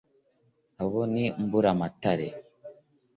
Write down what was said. Abo ni Mburamatare.